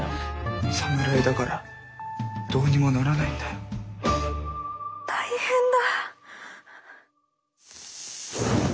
侍だからどうにもならないんだよ。大変だ。